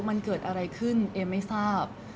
มันเกิดอะไรขึ้นเอมไม่ทราบ